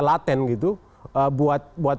laten gitu buat